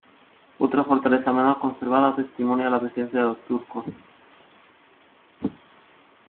Otra fortaleza mejor conservada testimonia la presencia de los turcos.